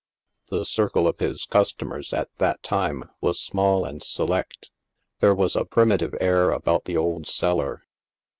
The circle of his customers, at that time, was small and select. There was a primitive air about the old cellar.